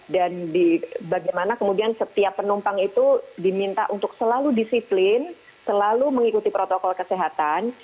dan bagaimana kemudian setiap penumpang itu diminta untuk selalu disiplin selalu mengikuti protokol kesehatan